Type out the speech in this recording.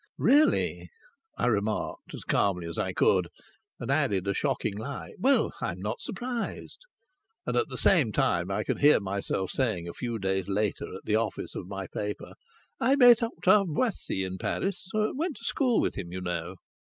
"Really!" I remarked, as calmly as I could, and added a shocking lie: "Well, I'm not surprised!" And at the same time I could hear myself saying a few days later at the office of my paper: "I met Octave Boissy in Paris. Went to school with him, you know."